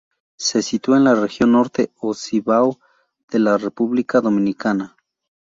Se sitúa en la región Norte o Cibao de la República Dominicana.